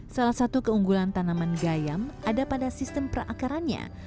salah satu keunggulan tanaman gayam ada pada sistem perakarannya